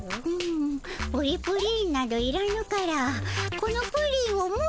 プリプリンなどいらぬからこのプリンをもっと作ってたも。